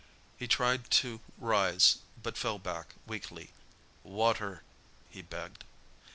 He tried to rise, but fell back weakly. "Water!" he begged.